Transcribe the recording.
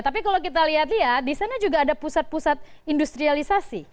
tapi kalau kita lihat lihat di sana juga ada pusat pusat industrialisasi